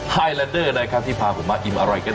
ไฮแลนเดอร์นะครับที่พาผมมาอิ่มอร่อยกัน